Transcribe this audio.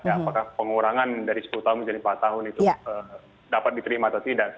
apakah pengurangan dari sepuluh tahun menjadi empat tahun itu dapat diterima atau tidak